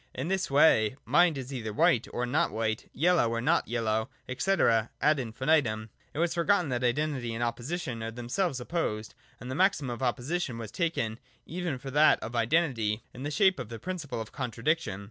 In this way, mind is either white or not white, yellow or not yellow, &c., ad infinitum. It was forgotten that Identity and Opposition are themselves opposed, and the maxim of Opposition was taken even for that of Identity, in the shape of the principle of Contradiction.